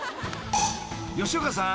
［吉岡さん